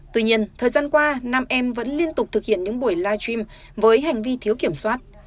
tuy nhiên thời gian qua nam em vẫn liên tục thực hiện những buổi live stream với hành vi thiếu kiểm soát